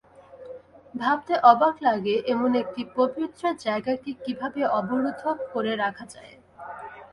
ভাবতে অবাক লাগে, এমন একটি পবিত্র জায়গাকে কীভাবে অবরুদ্ধ করে রাখা যায়।